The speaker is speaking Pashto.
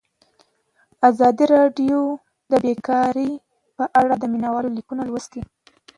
ازادي راډیو د بیکاري په اړه د مینه والو لیکونه لوستي.